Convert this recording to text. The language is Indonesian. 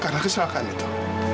karena kesalahan itu